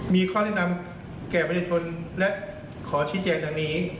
มีข้อแนะนำแก่ประชาชนและขอชี้แจงดังนี้